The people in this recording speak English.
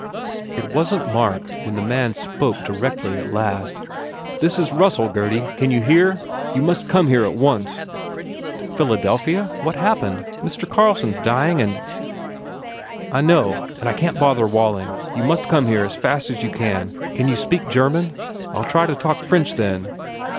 It wasn t Mark when the man spoke clearly at last. "This is Russell, Gurdy. Can you hear? You must come here at once." 248 BUBBLE "To Philadelphia? What s happened? Mr. Carlson s dying and "I know. And I can t bother Walling. You must come here as fast as you can. Can you speak German? ... I ll try to talk French, then."